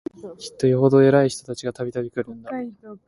きっとよほど偉い人たちが、度々来るんだ